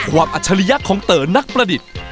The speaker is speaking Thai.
อัจฉริยะของเต๋อนักประดิษฐ์